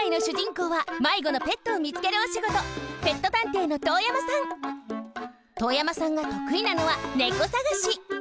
こうはまいごのペットをみつけるおしごと遠山さんがとくいなのは猫さがし。